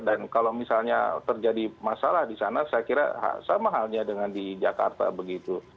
dan kalau misalnya terjadi masalah di sana saya kira sama halnya dengan di jakarta begitu